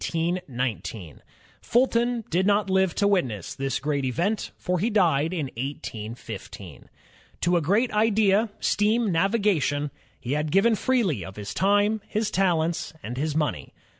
Fulton did not live to witness j this great event, for he died in 181 5. To a great idea, — steam navigation, — he had given freely of his time, his talents, and his money.